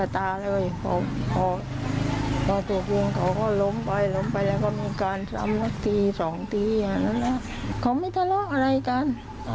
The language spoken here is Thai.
แต่เขาก็ไม่ได้สูงสินกันเท่าไหร่